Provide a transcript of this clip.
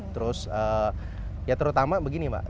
terus ya terutama begini mbak